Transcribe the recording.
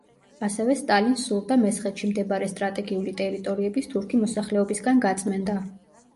ასევე სტალინს სურდა მესხეთში მდებარე სტრატეგიული ტერიტორიების თურქი მოსახლეობისგან გაწმენდა.